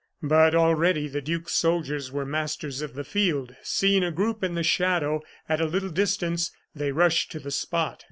But already the duke's soldiers were masters of the field. Seeing a group in the shadow, at a little distance, they rushed to the spot.